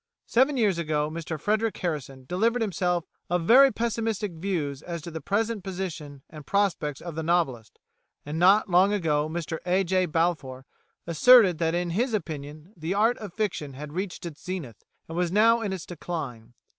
Seven years ago Mr Frederic Harrison delivered himself of very pessimistic views as to the present position and prospects of the novelist, and not long ago Mr A. J. Balfour asserted that in his opinion the art of fiction had reached its zenith, and was now in its decline.